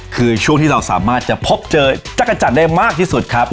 คือช่วงที่เราสามารถจะพบเจอจักรจันทร์ได้มากที่สุดครับ